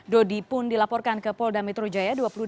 dodi pun dilaporkan ke polda metro jaya